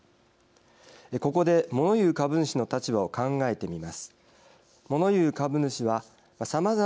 ここで、もの言う株主の立場を考えてみます。